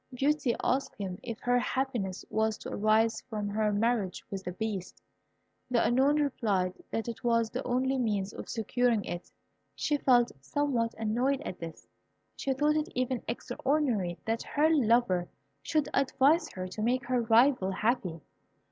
Beauty asked him if her happiness was to arise from her marriage with the Beast. The Unknown replied that it was the only means of securing it. She felt somewhat annoyed at this. She thought it even extraordinary that her lover should advise her to make her rival happy.